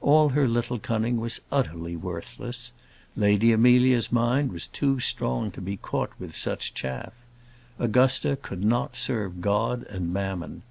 All her little cunning was utterly worthless. Lady Amelia's mind was too strong to be caught with such chaff. Augusta could not serve God and Mammon.